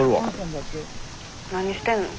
何してんの？